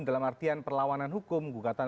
dalam artian perlawanan hukum gugatan